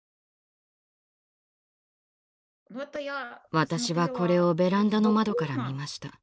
私はこれをベランダの窓から見ました。